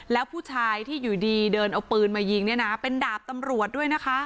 แล้วผู้ชายที่อยู่ดีเดินเอาปืนมายิงเนี่ยนะเป็นดาบตำรวจด้วยนะคะ